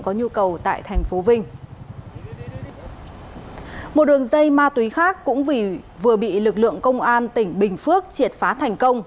một đường dây ma túy khác cũng vì vừa bị lực lượng công an tỉnh bình phước triệt phá thành công